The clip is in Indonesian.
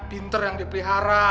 pinter yang dipelihara